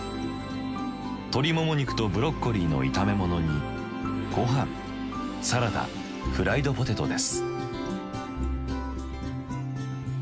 鶏もも肉とブロッコリーの炒め物にごはんサラダフライドポテトです。